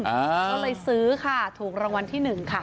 ก็เลยซื้อค่ะถูกรางวัลที่หนึ่งค่ะ